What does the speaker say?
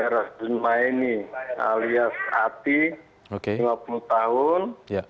rasdunaini alias ati lima puluh tahun